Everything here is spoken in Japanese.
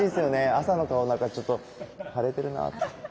朝の顔だからちょっと腫れてるなぁ。